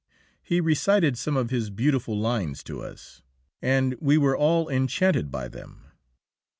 He recited some of his beautiful lines to us, and we were all enchanted by them.